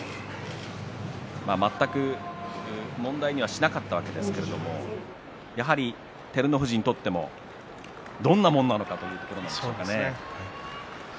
全く問題にはしなかったわけですけれどやはり照ノ富士にとってもどんなものなのかそうですね。